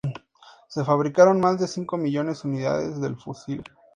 Se fabricaron más de cinco millones unidades del fusil.